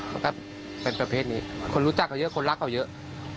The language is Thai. ก็เป็นประเภทนี้คนรู้จักเขาเยอะคนรักเขาเยอะ